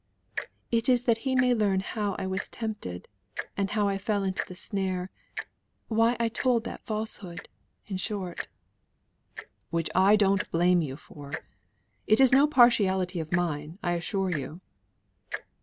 it is that he may learn how I was tempted, and how I fell into the snare; why I told that falsehood, in short." "Which I don't blame you for. It is no partiality of mine, I assure you."